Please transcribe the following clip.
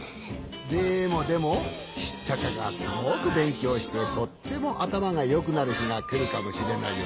でもでもシッチャカがすごくべんきょうしてとってもあたまがよくなるひがくるかもしれないよね？